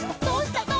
どうした？」